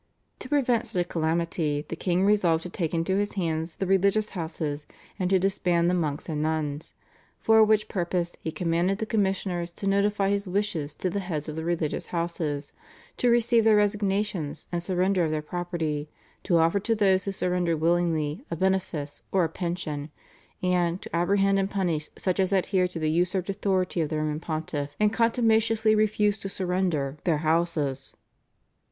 To prevent such a calamity the king resolved to take into his hands the religious houses and to disband the monks and nuns, for which purpose he commanded the commissioners to notify his wishes to the heads of the religious houses, to receive their resignations and surrender of their property, to offer to those who surrendered willingly a benefice or a pension, and "to apprehend and punish such as adhere to the usurped authority of the Romish Pontiff and contumaciously refuse to surrender their houses."